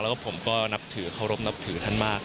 แล้วก็ผมก็นับถือเคารพนับถือท่านมาก